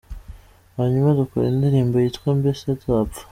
Hanyuma dukora indirimbo yitwa “Mbese Nzapfa”.